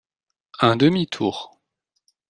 Un demi tour.